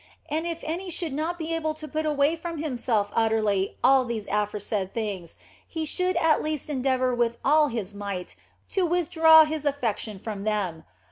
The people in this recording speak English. And if any should not be able to put away from himself utterly all these aforesaid things, he should at least en deavour with all his might to withdraw his affection from them.